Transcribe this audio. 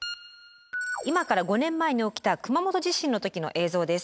今から５年前に起きた熊本地震の時の映像です。